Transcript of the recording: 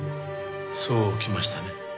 そうきましたね。